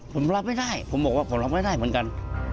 ผมรับไม่ได้ผมบอกว่าผมรับไม่ได้เหมือนกัน